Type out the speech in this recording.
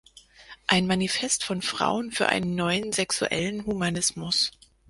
Ein Manifest von Frauen für einen neuen sexuellen Humanismus“.